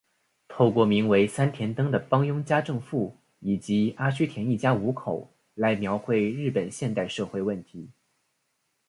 透过名为三田灯的帮佣家政妇以及阿须田一家五口来描绘日本现代社会问题。